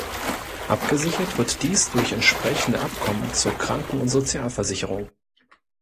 Abgesichert wird dies durch entsprechende Abkommen zur Kranken- und Sozialversicherung.